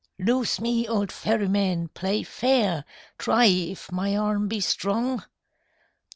"Loose me, old ferryman: play fair: Try if my arm be strong."